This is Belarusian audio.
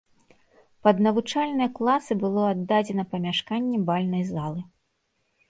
Пад навучальныя класы было аддадзена памяшканне бальнай залы.